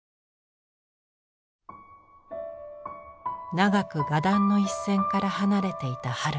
長く画壇の一線から離れていた春子。